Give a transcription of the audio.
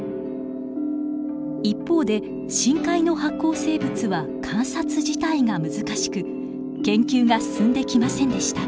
一方で深海の発光生物は観察自体が難しく研究が進んできませんでした。